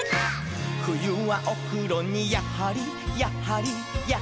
「ふゆはおふろにやはりやはりやはりやはり」